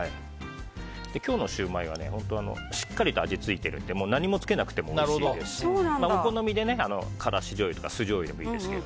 今日のシューマイはしっかりと味がついてるので何もつけなくてもおいしいですしお好みでからしじょうゆとか酢じょうゆでもいいですけど。